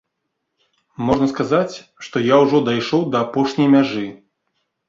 Можна сказаць, што я ўжо дайшоў да апошняй мяжы.